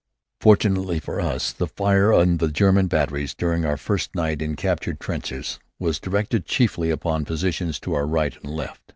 Fortunately for us, the fire of the German batteries, during our first night in captured trenches, was directed chiefly upon positions to our right and left.